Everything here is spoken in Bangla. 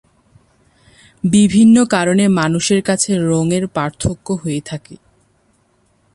বিভিন্ন কারণে মানুষের কাছে রঙের পার্থক্য হয়ে থাকে।